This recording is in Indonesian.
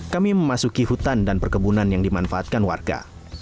kami memasuki hutan dan perkebunan yang dimanfaatkan warga